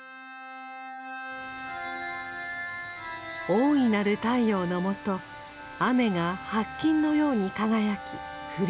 大いなる太陽のもと雨が白金のように輝き降り注ぐ。